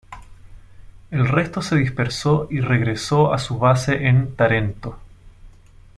El resto se dispersó y regresó a su base en Tarento.